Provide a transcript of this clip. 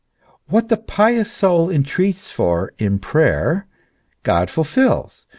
What the pious soul entreats for in prayer, God fulfils.